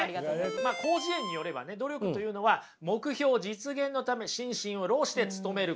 「広辞苑」によればね努力というのは「目標実現のため心身を労して努めること」。